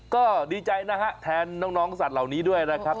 ก็ดีใจนะฮะแทนน้องสัตว์เหล่านี้ด้วยนะครับ